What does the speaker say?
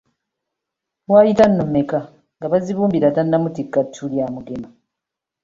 Waayita nno mmeka nga Bazibumbira tannamutikka ttu lya Mugema?